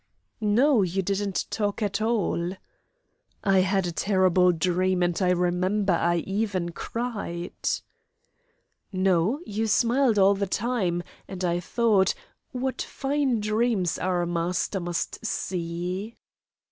"No, you didn't talk at all." "I had a terrible dream, and I remember I even cried." "No, you smiled all the time, and I thought what fine dreams our Master must see!"